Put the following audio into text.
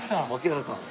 槙原さん。